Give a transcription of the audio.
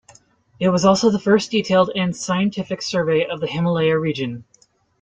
It was also the first detailed and scientific survey of the Himalaya region.